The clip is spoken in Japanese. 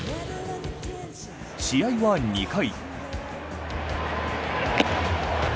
試合は２回。